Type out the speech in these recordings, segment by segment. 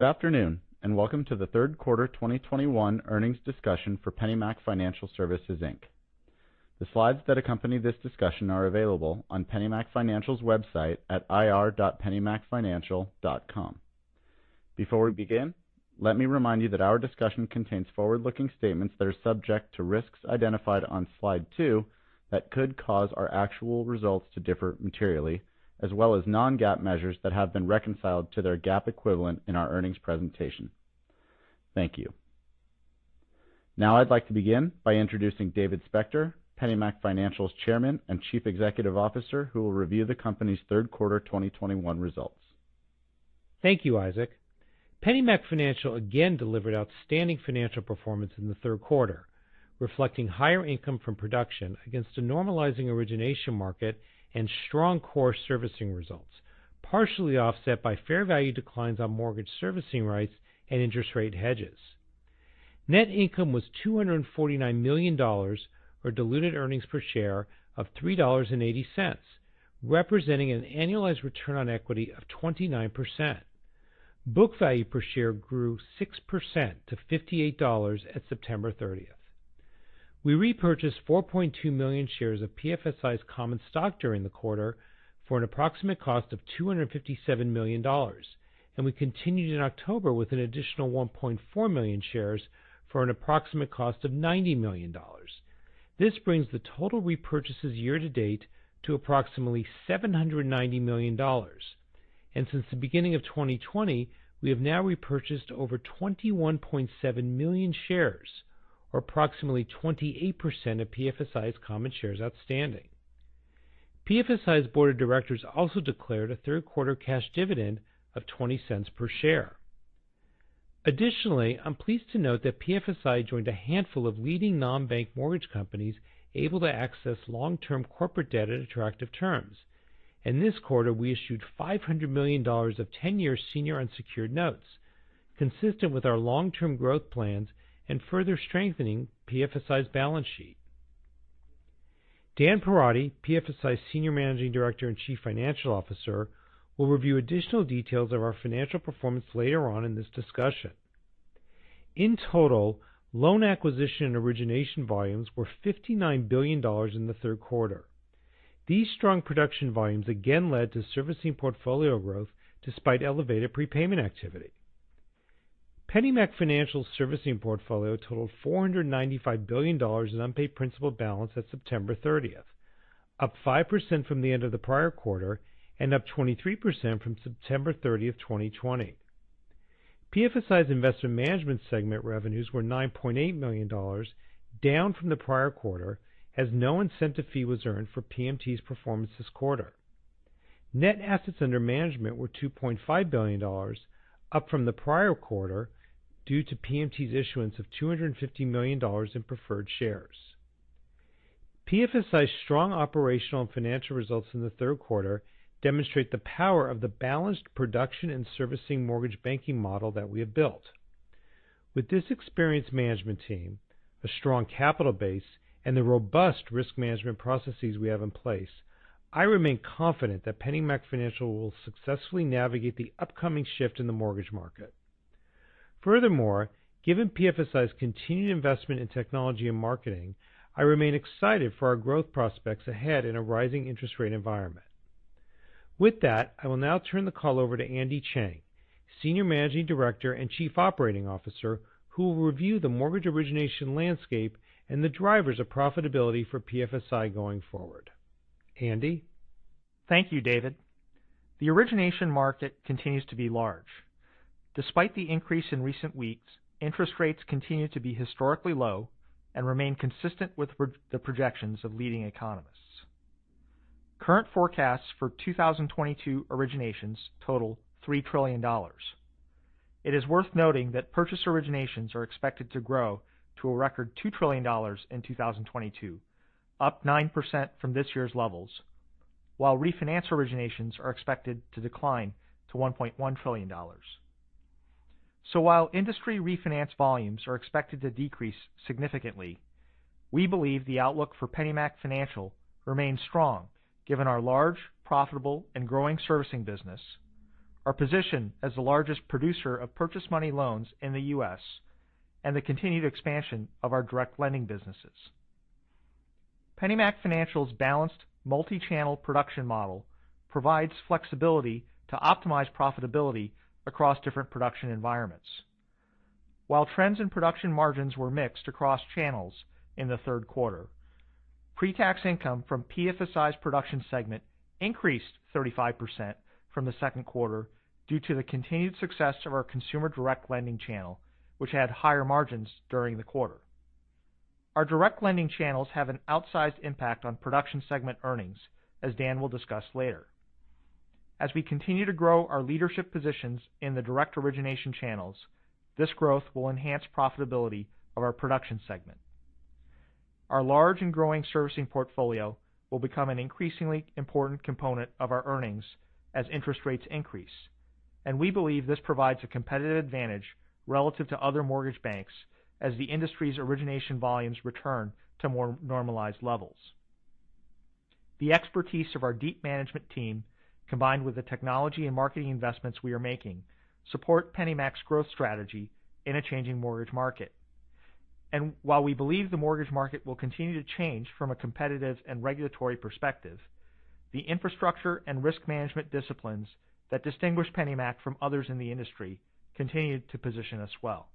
Good afternoon, and welcome to the Q3 2021 earnings discussion for PennyMac Financial Services, Inc. The slides that accompany this discussion are available on PennyMac Financial's website at ir.pennymacfinancial.com. Before we begin, let me remind you that our discussion contains forward-looking statements that are subject to risks identified on slide two that could cause our actual results to differ materially, as well as non-GAAP measures that have been reconciled to their GAAP equivalent in our earnings presentation. Thank you. Now I'd like to begin by introducing David Spector, PennyMac Financial's Chairman and Chief Executive Officer, who will review the company's Q3 2021 results. Thank you, Isaac. PennyMac Financial again delivered outstanding financial performance in the third quarter, reflecting higher income from production against a normalizing origination market and strong core servicing results, partially offset by fair value declines on mortgage servicing rights and interest rate hedges. Net income was $249 million or diluted earnings per share of $3.80, representing an annualized return on equity of 29%. Book value per share grew 6% to $58 at September thirtieth. We repurchased 4.2 million shares of PFSI's common stock during the quarter for an approximate cost of $257 million, and we continued in October with an additional 1.4 million shares for an approximate cost of $90 million. This brings the total repurchases year to date to approximately $790 million. Since the beginning of 2020, we have now repurchased over 21.7 million shares or approximately 28% of PFSI's common shares outstanding. PFSI's Board of Directors also declared a third quarter cash dividend of $0.20 per share. Additionally, I'm pleased to note that PFSI joined a handful of leading non-bank mortgage companies able to access long-term corporate debt at attractive terms. In this quarter, we issued $500 million of 10-year senior unsecured notes, consistent with our long-term growth plans and further strengthening PFSI's balance sheet. Dan Perotti, PFSI's Senior Managing Director and Chief Financial Officer, will review additional details of our financial performance later on in this discussion. In total, loan acquisition and origination volumes were $59 billion in the third quarter. These strong production volumes again led to servicing portfolio growth despite elevated prepayment activity. PennyMac Financial servicing portfolio totaled $495 billion in unpaid principal balance at September 30, up 5% from the end of the prior quarter and up 23% from September 30, 2020. PFSI's investment management segment revenues were $9.8 million, down from the prior quarter as no incentive fee was earned for PMT's performance this quarter. Net assets under management were $2.5 billion, up from the prior quarter due to PMT's issuance of $250 million in preferred shares. PFSI's strong operational and financial results in the third quarter demonstrate the power of the balanced production and servicing mortgage banking model that we have built. With this experienced management team, a strong capital base, and the robust risk management processes we have in place, I remain confident that PennyMac Financial will successfully navigate the upcoming shift in the mortgage market. Furthermore, given PFSI's continued investment in technology and marketing, I remain excited for our growth prospects ahead in a rising interest rate environment. With that, I will now turn the call over to Andy Chang, Senior Managing Director and Chief Operating Officer, who will review the mortgage origination landscape and the drivers of profitability for PFSI going forward. Andy? Thank you, David. The origination market continues to be large. Despite the increase in recent weeks, interest rates continue to be historically low and remain consistent with the projections of leading economists. Current forecasts for 2022 originations total $3 trillion. It is worth noting that purchase originations are expected to grow to a record $2 trillion in 2022, up 9% from this year's levels, while refinance originations are expected to decline to $1.1 trillion. While industry refinance volumes are expected to decrease significantly, we believe the outlook for PennyMac Financial remains strong, given our large, profitable, and growing servicing business, our position as the largest producer of purchase money loans in the U.S., and the continued expansion of our direct lending businesses. PennyMac Financial's balanced multi-channel production model provides flexibility to optimize profitability across different production environments. While trends in production margins were mixed across channels in the third quarter, pre-tax income from PFSI's production segment increased 35% from the second quarter due to the continued success of our consumer direct lending channel, which had higher margins during the quarter. Our direct lending channels have an outsized impact on production segment earnings, as Dan will discuss later. As we continue to grow our leadership positions in the direct origination channels, this growth will enhance profitability of our production segment. Our large and growing servicing portfolio will become an increasingly important component of our earnings as interest rates increase, and we believe this provides a competitive advantage relative to other mortgage banks as the industry's origination volumes return to more normalized levels. The expertise of our deep management team, combined with the technology and marketing investments we are making, support PennyMac's growth strategy in a changing mortgage market. While we believe the mortgage market will continue to change from a competitive and regulatory perspective, the infrastructure and risk management disciplines that distinguish PennyMac from others in the industry continue to position us well.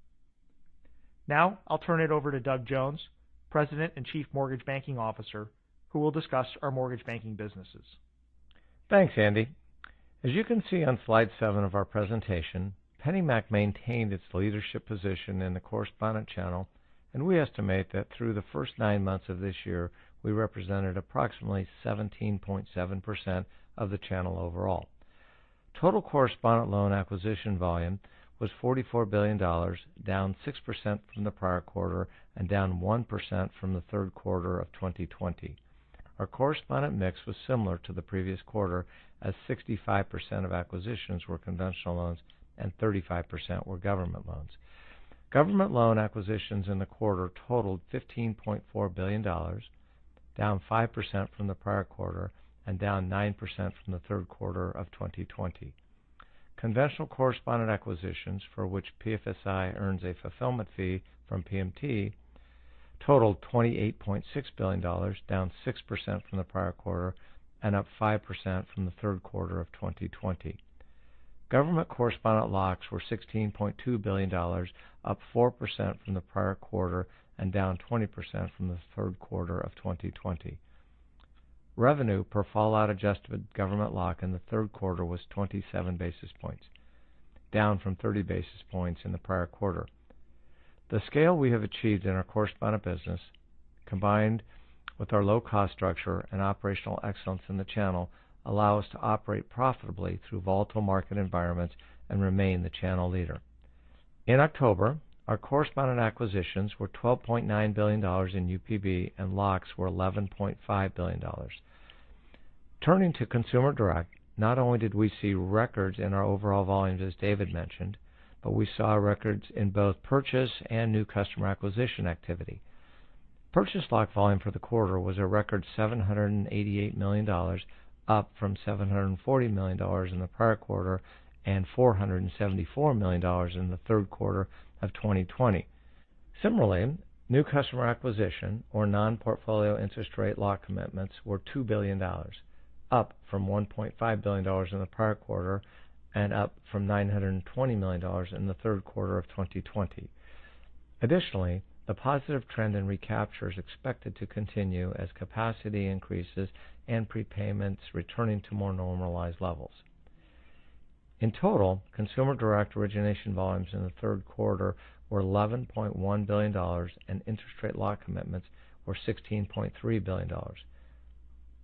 Now, I'll turn it over to Doug Jones, President and Chief Mortgage Banking Officer, who will discuss our mortgage banking businesses. Thanks, Andy. As you can see on slide seven of our presentation, PennyMac maintained its leadership position in the correspondent channel, and we estimate that through the first nine months of this year, we represented approximately 17.7% of the channel overall. Total correspondent loan acquisition volume was $44 billion, down 6% from the prior quarter and down 1% from the third quarter of 2020. Our correspondent mix was similar to the previous quarter as 65% of acquisitions were conventional loans and 35% were government loans. Government loan acquisitions in the quarter totaled $15.4 billion, down 5% from the prior quarter and down 9% from the third quarter of 2020. Conventional correspondent acquisitions for which PFSI earns a fulfillment fee from PMT totaled $28.6 billion, down 6% from the prior quarter and up 5% from the third quarter of 2020. Government correspondent locks were $16.2 billion, up 4% from the prior quarter and down 20% from the third quarter of 2020. Revenue per fallout adjustment government lock in the third quarter was 27 basis points, down from 30 basis points in the prior quarter. The scale we have achieved in our correspondent business, combined with our low cost structure and operational excellence in the channel, allow us to operate profitably through volatile market environments and remain the channel leader. In October, our correspondent acquisitions were $12.9 billion in UPB and locks were $11.5 billion. Turning to consumer direct, not only did we see records in our overall volumes, as David mentioned, but we saw records in both purchase and new customer acquisition activity. Purchase lock volume for the quarter was a record $788 million, up from $740 million in the prior quarter and $474 million in the third quarter of 2020. Similarly, new customer acquisition or non-portfolio interest rate lock commitments were $2 billion, up from $1.5 billion in the prior quarter and up from $920 million in the third quarter of 2020. Additionally, the positive trend in recapture is expected to continue as capacity increases and prepayments returning to more normalized levels. In total, consumer direct origination volumes in the third quarter were $11.1 billion and interest rate lock commitments were $16.3 billion.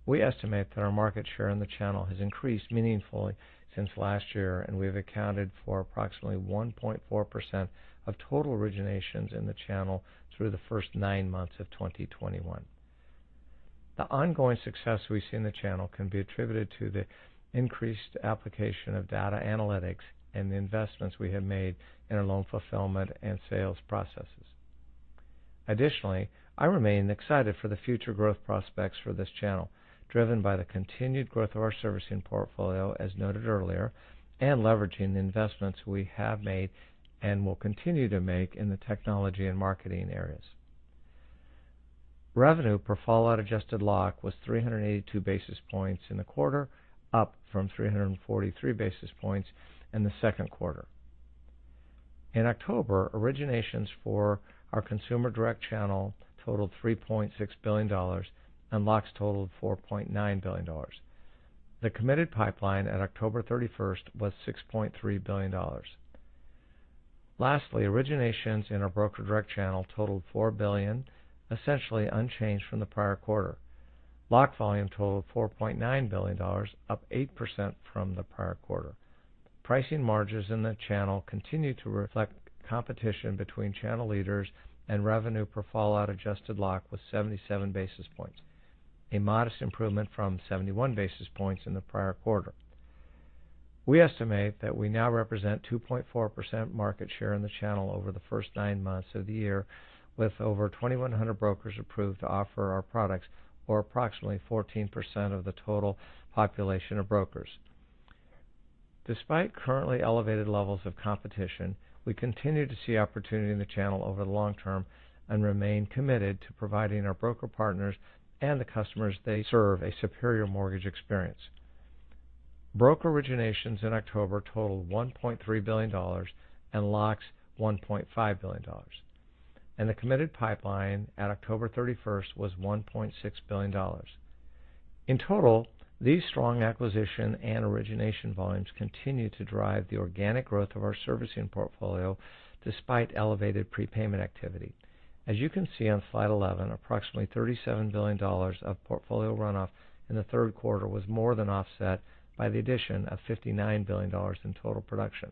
We estimate that our market share in the channel has increased meaningfully since last year, and we have accounted for approximately 1.4% of total originations in the channel through the first nine months of 2021. The ongoing success we see in the channel can be attributed to the increased application of data analytics and the investments we have made in our loan fulfillment and sales processes. Additionally, I remain excited for the future growth prospects for this channel, driven by the continued growth of our servicing portfolio, as noted earlier, and leveraging the investments we have made and will continue to make in the technology and marketing areas. Revenue per fallout adjusted lock was 382 basis points in the quarter, up from 343 basis points in the second quarter. In October, originations for our consumer direct channel totaled $3.6 billion and locks totaled $4.9 billion. The committed pipeline at October 31 was $6.3 billion. Lastly, originations in our broker direct channel totaled $4 billion, essentially unchanged from the prior quarter. Lock volume totaled $4.9 billion, up 8% from the prior quarter. Pricing margins in the channel continued to reflect competition between channel leaders and revenue per fallout adjusted lock was 77 basis points, a modest improvement from 71 basis points in the prior quarter. We estimate that we now represent 2.4% market share in the channel over the first nine months of the year, with over 2,100 brokers approved to offer our products or approximately 14% of the total population of brokers. Despite currently elevated levels of competition, we continue to see opportunity in the channel over the long term and remain committed to providing our broker partners and the customers they serve a superior mortgage experience. Broker originations in October totaled $1.3 billion and locks $1.5 billion, and the committed pipeline at October 31 was $1.6 billion. In total, these strong acquisition and origination volumes continue to drive the organic growth of our servicing portfolio despite elevated prepayment activity. As you can see on slide 11, approximately $37 billion of portfolio runoff in the third quarter was more than offset by the addition of $59 billion in total production.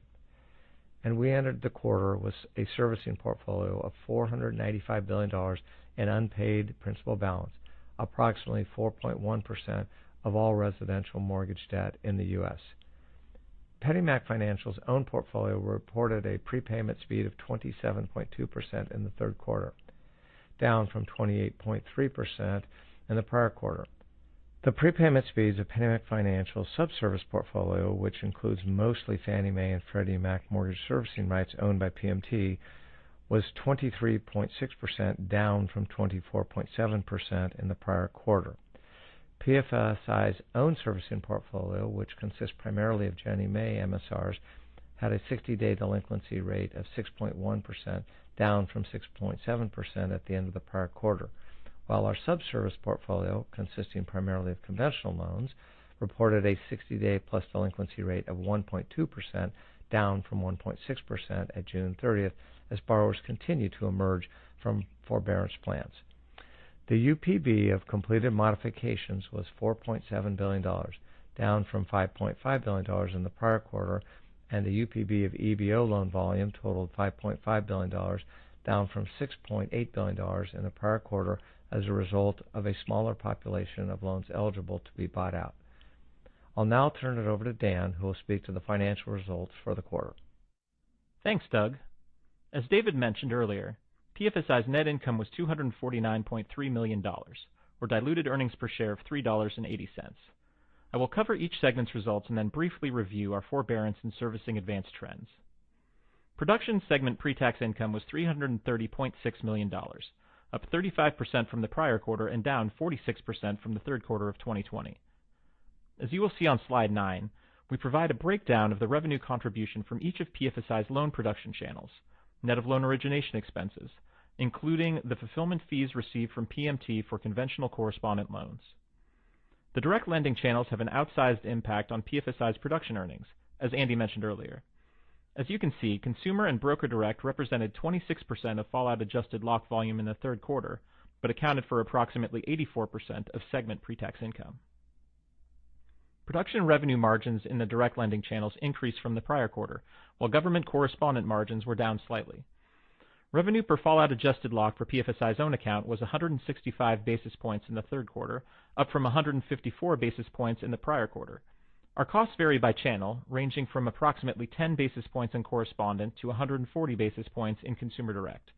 We entered the quarter with a servicing portfolio of $495 billion in unpaid principal balance, approximately 4.1% of all residential mortgage debt in the U.S. PennyMac Financial's own portfolio reported a prepayment speed of 27.2% in the third quarter, down from 28.3% in the prior quarter. The prepayment speeds of PennyMac Financial sub-serviced portfolio, which includes mostly Fannie Mae and Freddie Mac mortgage servicing rights owned by PMT, was 23.6%, down from 24.7% in the prior quarter. PFSI's own servicing portfolio, which consists primarily of Ginnie Mae MSRs, had a 60-day delinquency rate of 6.1%, down from 6.7% at the end of the prior quarter. While our subservice portfolio, consisting primarily of conventional loans, reported a 60-day plus delinquency rate of 1.2%, down from 1.6% at June 30 as borrowers continued to emerge from forbearance plans. The UPB of completed modifications was $4.7 billion, down from $5.5 billion in the prior quarter, and the UPB of EBO loan volume totaled $5.5 billion, down from $6.8 billion in the prior quarter as a result of a smaller population of loans eligible to be bought out. I'll now turn it over to Dan, who will speak to the financial results for the quarter. Thanks, Doug. As David mentioned earlier, PFSI's net income was $249.3 million with diluted earnings per share of $3.80. I will cover each segment's results and then briefly review our forbearance and servicing advance trends. Production segment pre-tax income was $330.6 million, up 35% from the prior quarter and down 46% from the third quarter of 2020. As you will see on slide nine, we provide a breakdown of the revenue contribution from each of PFSI's loan production channels, net of loan origination expenses, including the fulfillment fees received from PMT for conventional correspondent loans. The direct lending channels have an outsized impact on PFSI's production earnings, as Andy mentioned earlier. As you can see, consumer and broker direct represented 26% of fallout adjusted lock volume in the third quarter, but accounted for approximately 84% of segment pre-tax income. Production revenue margins in the direct lending channels increased from the prior quarter, while government correspondent margins were down slightly. Revenue per fallout adjusted lock for PFSI's own account was 165 basis points in the third quarter, up from 154 basis points in the prior quarter. Our costs vary by channel, ranging from approximately 10 basis points in correspondent to 140 basis points in consumer direct.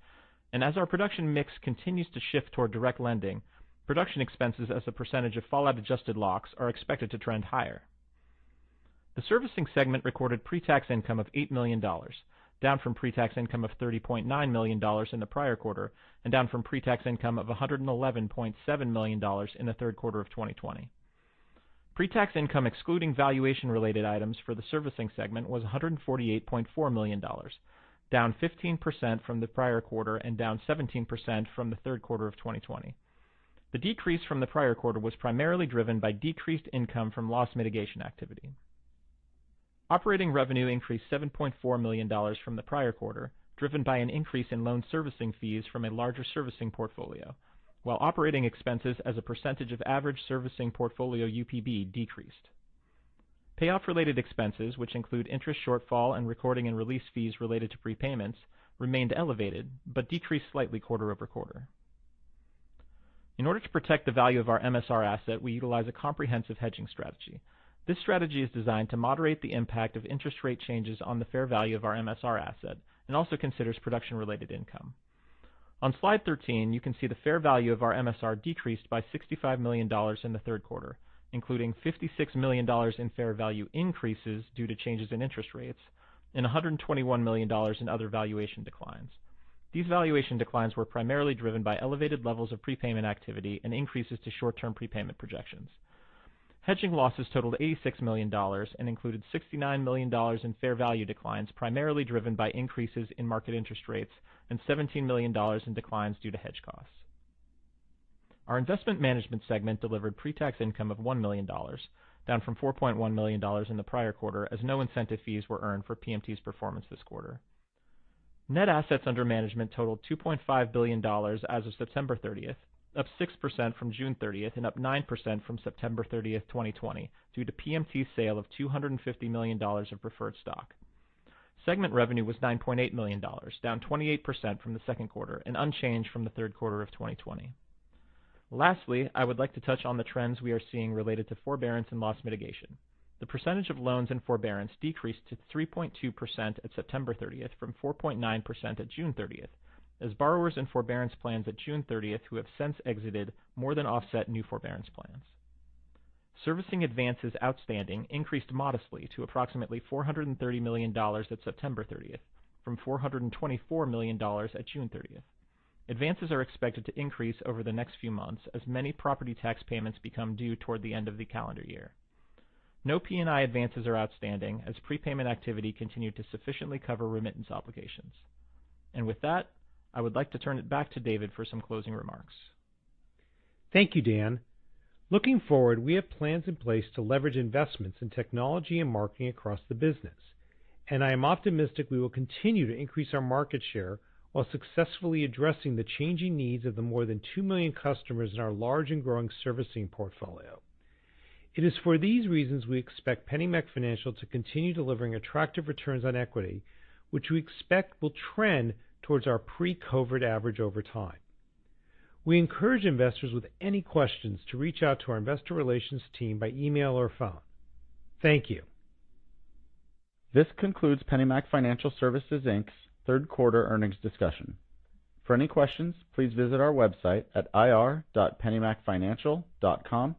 As our production mix continues to shift toward direct lending, production expenses as a percentage of fallout adjusted locks are expected to trend higher. The servicing segment recorded pre-tax income of $8 million, down from pre-tax income of $30.9 million in the prior quarter and down from pre-tax income of $111.7 million in the third quarter of 2020. Pre-tax income excluding valuation-related items for the servicing segment was $148.4 million, down 15% from the prior quarter and down 17% from the third quarter of 2020. The decrease from the prior quarter was primarily driven by decreased income from loss mitigation activity. Operating revenue increased $7.4 million from the prior quarter, driven by an increase in loan servicing fees from a larger servicing portfolio, while operating expenses as a percentage of average servicing portfolio UPB decreased. Payoff-related expenses, which include interest shortfall and recording and release fees related to prepayments, remained elevated but decreased slightly quarter-over-quarter. In order to protect the value of our MSR asset, we utilize a comprehensive hedging strategy. This strategy is designed to moderate the impact of interest rate changes on the fair value of our MSR asset and also considers production-related income. On slide 13, you can see the fair value of our MSR decreased by $65 million in the third quarter, including $56 million in fair value increases due to changes in interest rates and $121 million in other valuation declines. These valuation declines were primarily driven by elevated levels of prepayment activity and increases to short-term prepayment projections. Hedging losses totaled $86 million and included $69 million in fair value declines, primarily driven by increases in market interest rates and $17 million in declines due to hedge costs. Our investment management segment delivered pre-tax income of $1 million, down from $4.1 million in the prior quarter, as no incentive fees were earned for PMT's performance this quarter. Net assets under management totaled $2.5 billion as of September 30, up 6% from June 30 and up 9% from September 30, 2020, due to PMT's sale of $250 million of preferred stock. Segment revenue was $9.8 million, down 28% from the second quarter and unchanged from the third quarter of 2020. Lastly, I would like to touch on the trends we are seeing related to forbearance and loss mitigation. The percentage of loans in forbearance decreased to 3.2% at September 30 from 4.9% at June 30 as borrowers in forbearance plans at June 30 who have since exited more than offset new forbearance plans. Servicing advances outstanding increased modestly to approximately $430 million at September 30 from $424 million at June 30. Advances are expected to increase over the next few months as many property tax payments become due toward the end of the calendar year. No P&I advances are outstanding as prepayment activity continued to sufficiently cover remittance obligations. With that, I would like to turn it back to David for some closing remarks. Thank you, Dan. Looking forward, we have plans in place to leverage investments in technology and marketing across the business, and I am optimistic we will continue to increase our market share while successfully addressing the changing needs of the more than two million customers in our large and growing servicing portfolio. It is for these reasons we expect PennyMac Financial to continue delivering attractive returns on equity, which we expect will trend towards our pre-COVID average over time. We encourage investors with any questions to reach out to our investor relations team by email or phone. Thank you. This concludes PennyMac Financial Services, Inc.'s third quarter earnings discussion. For any questions, please visit our website at ir.pennymacfinancial.com.